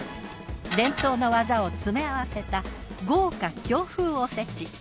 伝統の技を詰め合わせた豪華京風おせち。